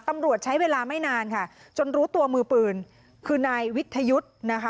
ตำรวจใช้เวลาไม่นานค่ะจนรู้ตัวมือปืนคือนายวิทยุทธ์นะคะ